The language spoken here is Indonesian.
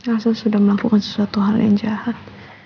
rasa sudah melakukan sesuatu hal yang jahat